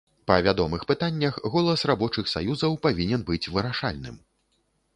Па вядомых пытаннях голас рабочых саюзаў павінен быць вырашальным.